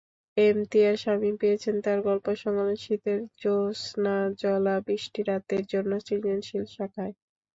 ইমতিয়ার শামীম পেয়েছেন তাঁর গল্পসংকলন শীতের জ্যোত্স্নাজ্বলা বৃষ্টিরাতের জন্য সৃজনশীল শাখায়।